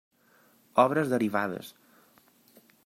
Obres derivades.